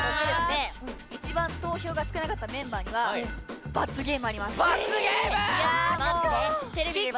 一番投票が少なかったメンバーには罰ゲームあります。